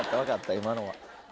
今のは。